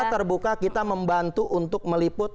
terbuka kita membantu untuk meliput